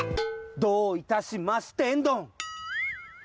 どういたしましてんどん！